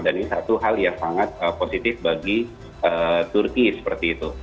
dan ini satu hal yang sangat positif bagi turki seperti itu